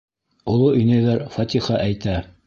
Оло инәйҙәр фатиха әйтә.